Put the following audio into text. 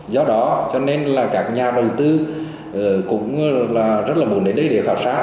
do đó cho nên là các nhà đầu tư cũng rất là muốn đến đây để khảo sát